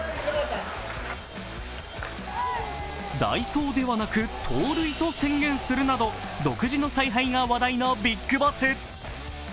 代走ではなく盗塁と宣言するなど独自の采配が話題のビッグボス。